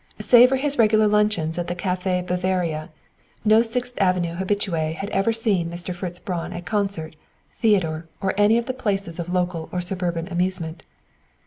Save for his regular luncheon at the Café Bavaria, no Sixth Avenue habitué had ever seen Mr. Fritz Braun at concert, theater, or any of the places of local or suburban amusement.